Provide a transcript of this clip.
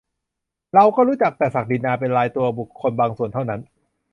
เราก็รู้จักแต่ศักดินาเป็นรายตัวบุคคลบางส่วนเท่านั้น